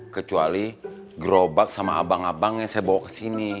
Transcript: kecuali gerobak sama abang abang yang saya bawa kesini